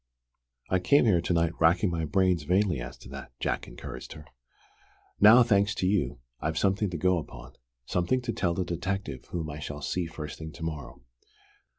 "I came here to night racking my brains vainly as to that," Jack encouraged her. "Now, thanks to you, I've something to go upon, something to tell the detective whom I shall see first thing to morrow.